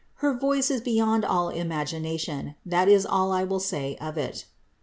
Her voice is beyond all imagination, and that is ill I will say of it."